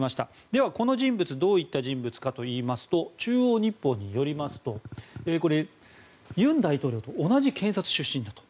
では、この人物がどういった人物かといいますと中央日報によりますと尹大統領と同じ検察出身だと。